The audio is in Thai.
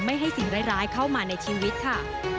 ไม่ให้สิ่งร้ายเข้ามาในชีวิตค่ะ